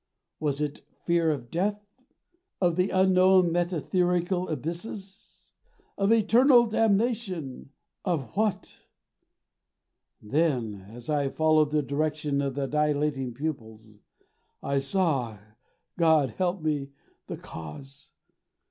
Was it Fear of Death; of the Unknown metetherical Abysses; of Eternal Damnation; of what? Then as I followed the direction of the dilating pupils I saw God help me the Cause!